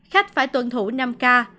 khách phải tuân thủ năm k